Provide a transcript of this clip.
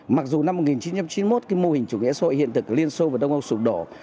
mặc dù năm một nghìn chín trăm chín mươi một cái mô hình chủ nghĩa xã hội hiện thực ở liên xô và đông âu sụp đổ